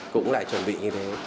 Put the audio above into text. cũng lại chuẩn bị như thế